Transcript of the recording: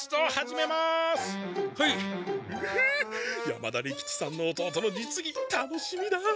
山田利吉さんの弟のじつぎ楽しみだあ！